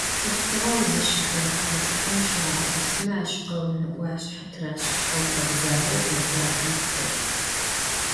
Хъулъфыгъэр зыщыфэхыгъэ чӏыпӏэм щагъэӏылъмэ, ащ къэунэ ӏуашъхьэ тырашӏыхьэу хэбзагъэу ӏорыӏуатэм къыхэфэ.